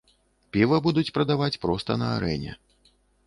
Піва будуць прадаваць проста на арэне.